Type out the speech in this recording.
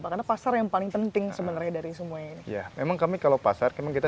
karena pasar yang paling penting sebenarnya dari semuanya ya memang kami kalau pasar kemungkinan